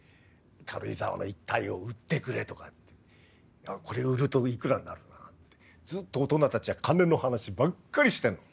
軽井沢の一帯を売ってくれとかこれを売るといくらになるなってずっと大人たちは金の話ばっかりしてんの。